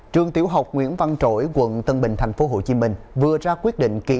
trường tiểu học nguyễn văn trỗi quận tân bình tp hcm vừa ra quyết định ký